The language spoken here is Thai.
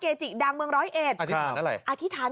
การนอนไม่จำเป็นต้องมีอะไรกัน